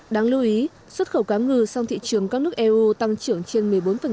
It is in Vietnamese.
đáng lưu ý xuất khẩu cá ngừ sang thị trường các nước eu tăng trưởng trên một mươi bốn